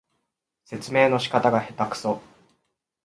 説明の仕方がへたくそ